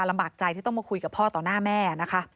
ลำบากใจที่ต้องมาคุยกับพ่อต่อหน้าแม่นะคะ